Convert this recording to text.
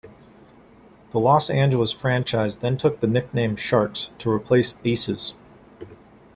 The Los Angeles franchise then took the nickname Sharks to replace Aces.